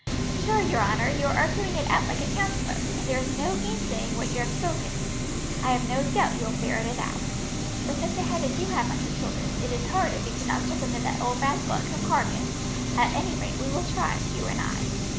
"Sure, your honour, you are arguing it out like a counsellor, and there is no gainsaying what you have spoken. I have no doubt you will ferret it out. With such a head as you have on your shoulders, it is hard if you cannot circumvent that ould rascal at Kilkargan." "At any rate we will try, you and I.